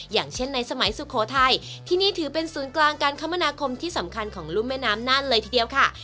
อย่างเช่นในสมัยสุโขทัยที่นี่ถือเป็นศูนย์กลางการคมนาคมที่สำคัญของรุ่มแม่น้ำน่านเลยทีเดียวค่ะ